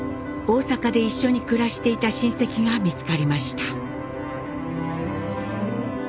大阪で一緒に暮らしていた親戚が見つかりました。